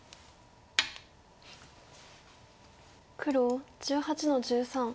黒１８の十三。